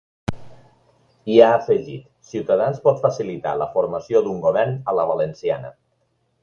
I ha afegit: Ciutadans pot facilitar la formació d’un govern a la valenciana.